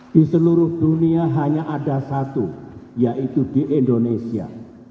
di seluruh dunia hanya ada satu yaitu di indonesia